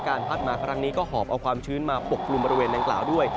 การพัดมาพลังนี้ก็หอบเอาความชื้นมาปกปรุงบริเวณแดงกล่าวด้วย